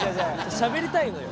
しゃべりたいのよ。